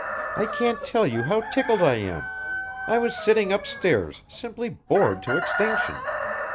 I can't tell you how tickled I am. I was sitting upstairs, simply bored to extinction.